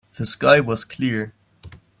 The sky was clear.